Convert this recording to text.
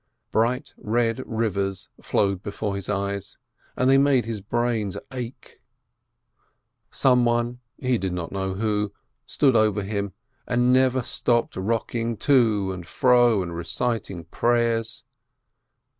Bright red rivers flowed before his eyes, and they made his brains ache. Some one, he did not know who, stood over him, and never stopped rock ing to and fro and reciting prayers.